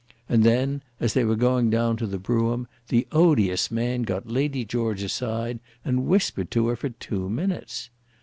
And then, as they were going down to the brougham, the odious man got Lady George aside and whispered to her for two minutes.